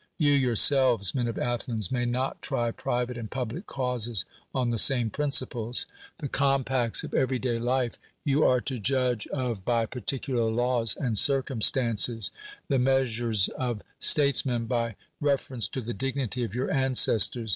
You yourselves, men of Athens, may not try priv.'ste and public causes on lh(^ same prinfir>l<'S : the compacts of every (!;iy Jife you Jiri' to judye of by ])artj;'u]ar laws aud circum stances; 11k' moMsurcs d' statccv. 'n, ly refer I'ncc to til" diu'uity of your au' cslors.